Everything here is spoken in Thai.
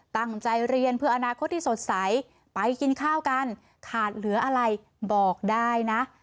ตั้งใจเรียนเพื่ออนาคตที่สดใสไปกินข้าวกันขาดเหลืออะไรบอกได้นะ